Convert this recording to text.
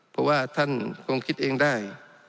เพราะว่าท่านคงคิดเองได้